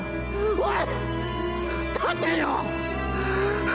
おい！